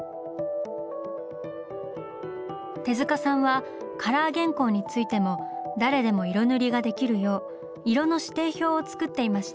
手さんはカラー原稿についても誰でも色塗りができるよう色の指定表を作っていました。